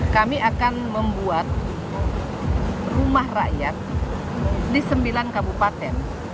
kami akan membuat rumah rakyat di sembilan kabupaten